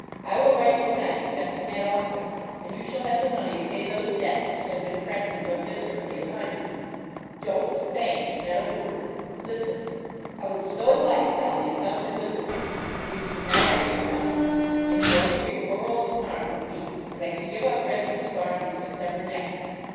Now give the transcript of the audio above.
I will write to night accepting that offer, and you shall have the money to pay those debts which have been pressing so miserably upon you. Don't thank not a word but listen. I would so like, Dolly, to come and live with you. We could unite our incomes. I need only bring poor old Tamar with me, and I can give up Redman's Farm in September next.